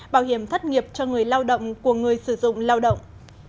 bảo hiểm thất nghiệp cho người lao động của người sử dụng lao động